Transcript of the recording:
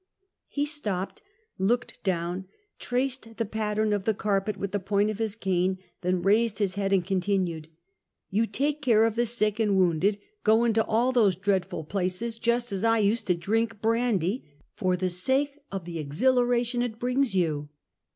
297 He stopped, looked down, traced the pattern of the carpet with the point of his cane, then raised his head and continued: "You take care of the sick and wounded, go into all those dreadful places Just as I used to drink brandy — for sake of the exhileration it brings you."